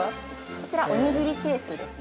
◆こちら、お握りケースですね。